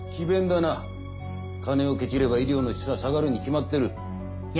詭弁だな金をケチれば医療の質は下がるに決まってる。